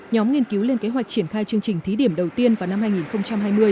nhóm nghiên cứu lên kế hoạch triển khai chương trình thí điểm đầu tiên vào năm hai nghìn hai mươi